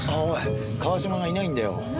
川島がいないんだよ。